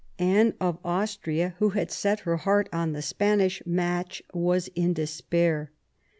Anne of Austria, who had set her heart on the Spanish match, was in despair.